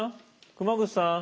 熊楠さん。